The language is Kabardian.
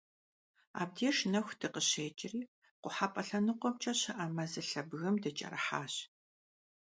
Абдеж нэху дыкъыщекIри, къухьэпIэ лъэныкъуэмкIэ щыIэ мэзылъэ бгым дыкIэрыхьащ.